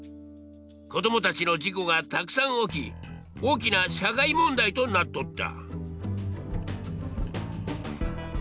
子供たちの事故がたくさん起き大きな社会問題となっとった。